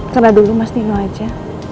karena dulu mas nino aja